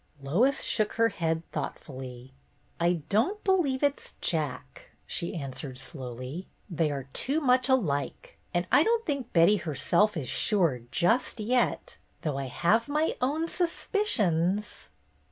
Lois shook her head thoughtfully. "I don't believe it 's Jack," she answered slowly. "They are too much alike. And I don't think Betty herself is sure, just yet, though I have my own suspicions."